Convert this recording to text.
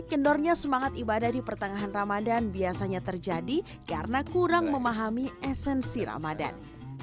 kendornya semangat ibadah di pertengahan ramadan biasanya terjadi karena kurang memahami esensi ramadan